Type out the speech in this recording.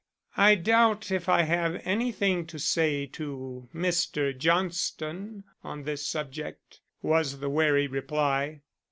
"I doubt if I have anything to say to Mr. Johnston on this subject," was the wary reply.